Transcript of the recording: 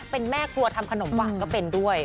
เป็นแม่ครัวทำขนมหวานก็เป็นด้วย